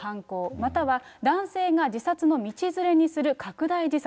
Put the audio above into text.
または男性が自殺の道連れにする拡大自殺。